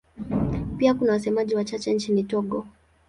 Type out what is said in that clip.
Pia kuna wasemaji wachache nchini Togo.